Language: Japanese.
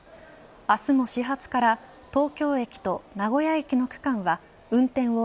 明日も始発から東京駅と名古屋駅の区間は運転を